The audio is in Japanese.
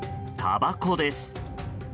たばこです。